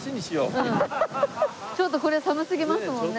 ちょっとこれ寒すぎますもんね。